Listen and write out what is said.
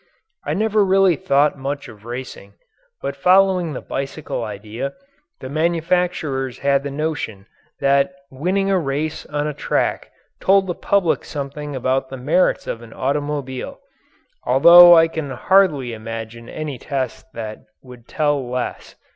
I never really thought much of racing, but following the bicycle idea, the manufacturers had the notion that winning a race on a track told the public something about the merits of an automobile although I can hardly imagine any test that would tell less.